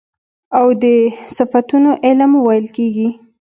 او د صفتونو علم ويل کېږي .